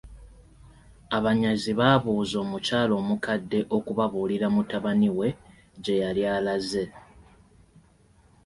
Abanyazi baabuuza omukyala omukadde okubabuulira mutabani we gye yali alaze.